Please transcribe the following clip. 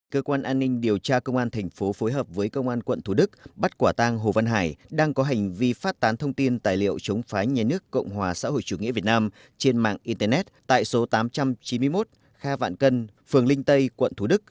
cơ quan an ninh điều tra công an thành phố phối hợp với công an quận thủ đức bắt quả tang hồ văn hải đang có hành vi phát tán thông tin tài liệu chống phá nhà nước cộng hòa xã hội chủ nghĩa việt nam trên mạng internet tại số tám trăm chín mươi một kha vạn cân phường linh tây quận thú đức